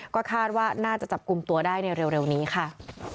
ก็คาดว่าน่าจะจับกลุ่มตัวได้ในเร็วนี้ค่ะ